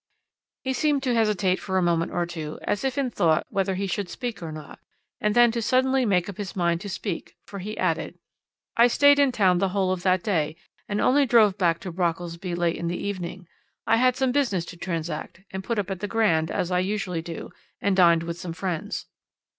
"He seemed to hesitate for a moment or two as if in thought whether he should speak or not, and then to suddenly make up his mind to speak, for he added: 'I stayed in town the whole of that day, and only drove back to Brockelsby late in the evening. I had some business to transact, and put up at the Grand, as I usually do, and dined with some friends.'